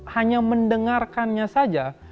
hanya mendengarkannya saja